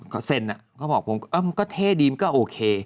เขาเซ็นเขาบอกผมก็เท่ดีมันก็โอเค